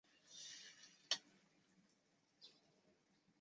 这种技术也可以用来判断各个种的生物之间的关系。